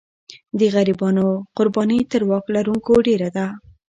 د غریبانو قرباني تر واک لرونکو ډېره ده.